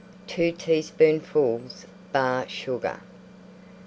2 teaspoonfuls Bar Sugar.